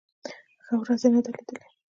ښه ورځ نه ده لېدلې.